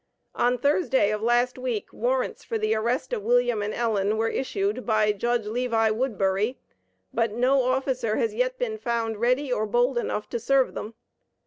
On Thursday, of last week, warrants for the arrest of William and Ellen were issued by Judge Levi Woodbury, but no officer has yet been found ready or bold enough to serve them.